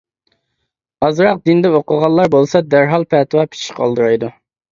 ئازراق دىندا ئوقۇغانلار بولسا، دەرھال پەتىۋا پىچىشقا ئالدىرايدۇ.